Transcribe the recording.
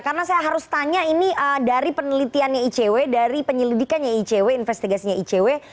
karena saya harus tanya ini dari penelitiannya icw dari penyelidikannya icw investigasinya icw